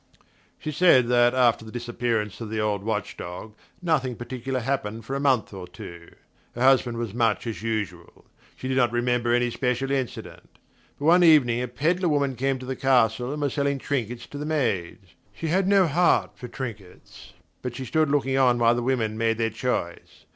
She said that after the disappearance of the old watch dog nothing particular happened for a month or two. Her husband was much as usual: she did not remember any special incident. But one evening a pedlar woman came to the castle and was selling trinkets to the maids. She had no heart for trinkets, but she stood looking on while the women made their choice.